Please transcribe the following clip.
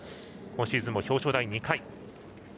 今シーズンも表彰台２回。